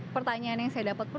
pertanyaan yang saya dapet pun